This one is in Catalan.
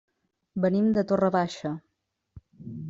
Venim de Torre Baixa.